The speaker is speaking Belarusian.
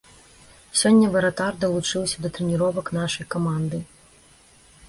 Сёння варатар далучыўся да трэніровак нашай каманды.